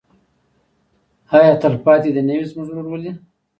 آیا تلپاتې دې نه وي زموږ ورورولي؟